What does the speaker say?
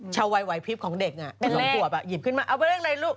ชาววัยพริฟต์ของเด็กน่ะหลงกวบอ่ะหยิบขึ้นมาเอาไปเล่นอะไรลูก